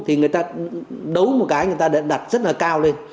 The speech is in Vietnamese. thì người ta đấu một cái người ta đã đặt rất là cao lên